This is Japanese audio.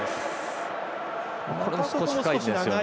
これも少し深いですよね。